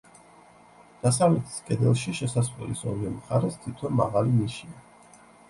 დასავლეთის კედელში, შესასვლელის ორივე მხარეს, თითო მაღალი ნიშია.